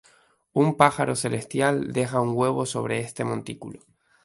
Un pájaro celestial deja un huevo sobre este montículo.